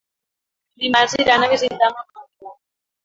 Dimarts iran a visitar mon oncle.